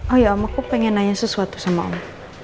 oh iya om aku pengen nanya sesuatu sama om